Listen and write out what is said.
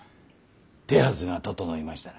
手はずが整いましたら。